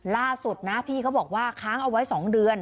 ล่าสุดนะพี่เขาบอกว่าค้างเอาไว้๒เดือน